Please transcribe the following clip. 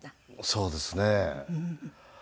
そうですね。